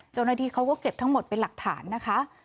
เจ้าหน้าที่เขาก็เก็บทั้งหมดเป็นหลักฐานนะคะ